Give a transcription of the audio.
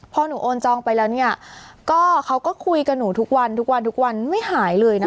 พอหนูโอนจองไปแล้วเนี่ยก็เขาก็คุยกับหนูทุกวันทุกวันทุกวันไม่หายเลยนะคะ